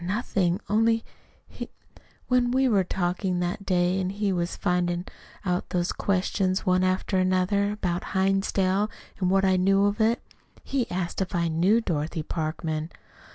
"Nothing, only he When we were talking that day, and he was flinging out those questions one after another, about Hinsdale, and what I knew of it, he he asked if I knew Dorothy Parkman."